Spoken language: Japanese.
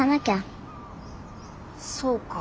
そうか。